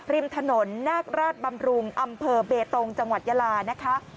ริมถนนนาคราชบำรุงอำเภอเบตงจังหวัดยาลานะคะ